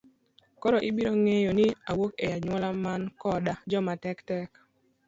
Koro ibiro ng'eyo ni awuok e anyuola man koda joma tek tek.